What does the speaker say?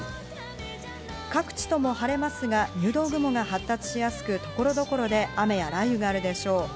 各地とも晴れますが、入道雲が発達しやすく、所々で雨や雷雨があるでしょう。